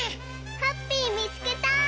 ハッピーみつけた！